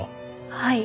はい。